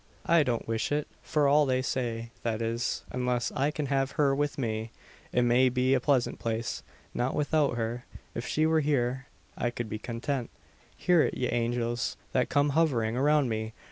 I don't wish it, for all they say; that is, unless I can have her with me. It may be a pleasant place. Not without her. If she were here, I could be content. Hear it, ye angels, that come hovering around me!